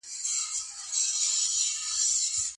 بانکونه بې پیسو نه وي.